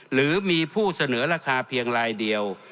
หรือมีผู้เสนอราคาเพียงลายเดียว